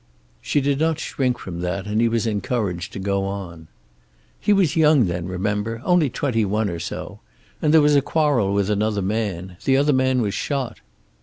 She did not shrink from that, and he was encouraged to go on. "He was young then, remember. Only twenty one or so. And there was a quarrel with another man. The other man was shot."